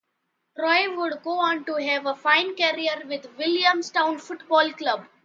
Troy would go on to have a fine career with Williamstown Football Club.